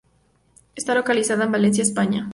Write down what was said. Está localizado en Valencia, España.